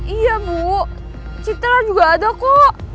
iya bu citra juga ada kok